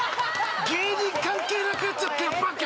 芸人関係なくなっちゃったよバカ！